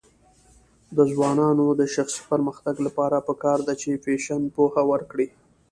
د ځوانانو د شخصي پرمختګ لپاره پکار ده چې فیشن پوهه ورکړي.